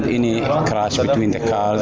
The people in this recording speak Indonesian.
jika ada kereta bergerak di antara kereta